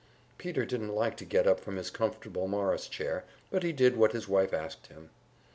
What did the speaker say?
Peter didn't like to get up from his comfortable Morris chair, but he did what his wife asked him.